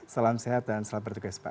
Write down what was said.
salam sehat dan selamat bertugas pak